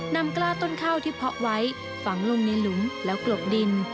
กล้าต้นข้าวที่เพาะไว้ฝังลงในหลุมแล้วกลบดิน